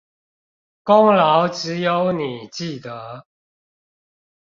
功勞只有你記得